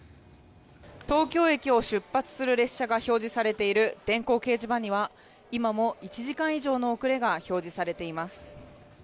東京駅を出発する列車が表示されている電光掲示板には今も１時間以上の遅れが表示されています。